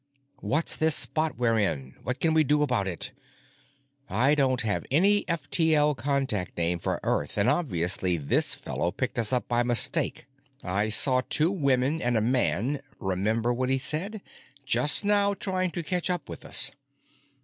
What's this spot we're in? What can we do about it? I don't have any F T L contact name for Earth and obviously this fellow picked us up by mistake. I saw two women and a man—remember what he said?—just now trying to catch up with us.